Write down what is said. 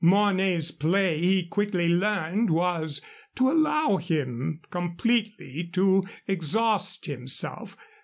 Mornay's play, he quickly learned, was to allow him completely to exhaust himself.